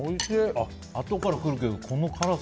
後から来るけど、この辛さ。